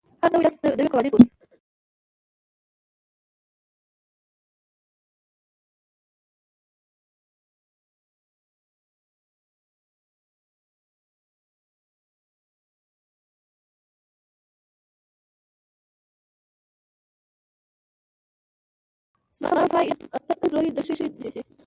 زما وای فای انتن کمزورې نښې نیسي.